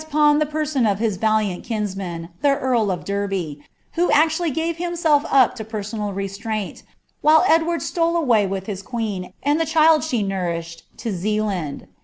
183 the person of his Taliant kinsman the earl of Derby,' who actually gave himself up to personal restraint, while Edward stole away with his queen, and the child she nourished, to Zealand.